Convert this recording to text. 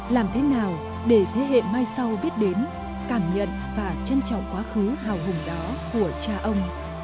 làm thế nào để thế hệ mai sau biết đến cảm nhận và trân trọng quá khứ hào hùng đó của cha ông